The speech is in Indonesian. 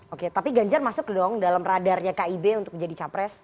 oke tapi ganjar masuk dong dalam radarnya kib untuk menjadi capres